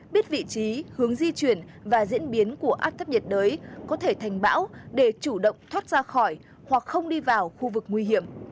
biết vị trí hướng di chuyển và diễn biến của áp thấp nhiệt đới có thể thành bão để chủ động thoát ra khỏi hoặc không đi vào khu vực nguy hiểm